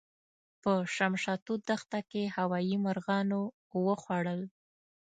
په شمشتو دښته کې هوايي مرغانو وخوړل.